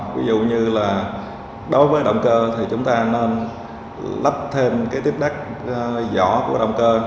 ví dụ như là đối với động cơ thì chúng ta nên lắp thêm cái tiếp đất giỏ của động cơ